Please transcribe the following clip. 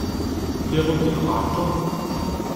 Lliɣ ugdeɣ εṭen.